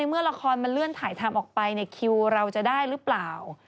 เมื่อละครมันเลื่อนถ่ายทำออกไปคิวเราจะได้หรือเปล่า